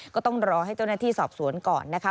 ก็ต้องรอให้เจ้าหน้าที่สอบสวนก่อนนะคะ